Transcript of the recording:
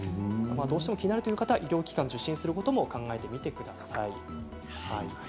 どうしても気になるという方は医療機関を受診することも考えてみてください。